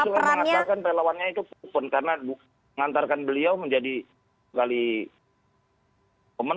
saya harus mengatakan relawannya itu karena mengantarkan beliau menjadi sekali pemenang